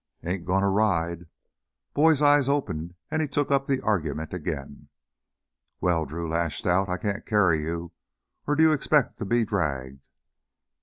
"Ain't goin' t' ride " Boyd's eyes opened and he took up the argument again. "Well," Drew lashed out, "I can't carry you! Or do you expect to be dragged?"